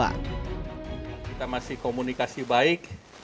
kita masih komunikasi baik